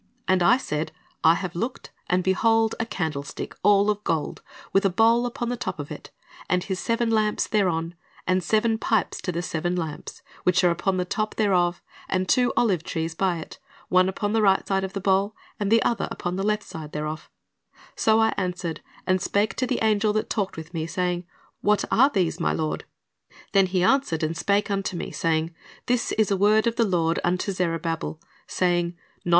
And I said, I have looked, and behold a candlestick all of gold, with a bowl upon the top of it, and his seven lamps thereon, and seven pipes to the seven lamps, which are upon the top thereof; and two olive trees by it, one upon the right side of the bowl, and the other up on the left side thereof So I answered and spake to the angel that talked with me, saying, What are these, my lord? ... Then he answered and spake unto me, saying. This is the word of the Lord unto Zerubbabel, saying.